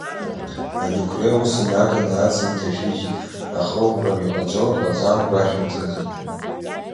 Аџьықәреи ус инаганы аца инҭашәыжьит, ахыӷәра ҟаҵоу иҟаҵаму гәашәымҭаӡеит.